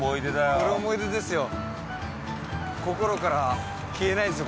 これ思い出ですよ